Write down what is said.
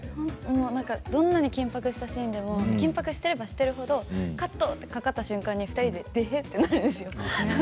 どんなに緊迫したシーンでも緊迫していればしているほどカットとかかった瞬間に笑顔になるんです。